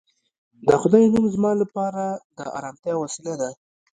د خدای نوم زما لپاره د ارامتیا وسیله ده